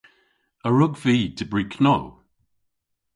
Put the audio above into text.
A wrug vy dybri know?